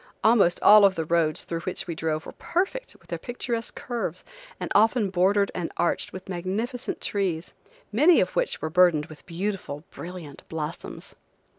Almost all of the roads through which we drove were perfect with their picturesque curves, and often bordered and arched with magnificent trees, many of which were burdened with beautiful brilliant blossoms.